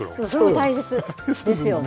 大切ですよね。